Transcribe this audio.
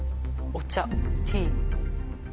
お茶ティー。